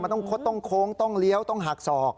มันต้องคดต้องโค้งต้องเลี้ยวต้องหักศอก